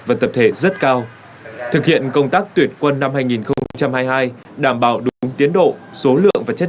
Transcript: và tập thể rất cao thực hiện công tác tuyển quân năm hai nghìn hai mươi hai đảm bảo đúng tiến độ số lượng và chất